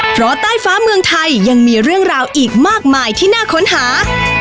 เพราะใต้ฟ้าเมืองไทยยังมีเรื่องราวอีกมากมายที่น่าค้นหา